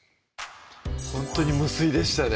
ほんとに無水でしたね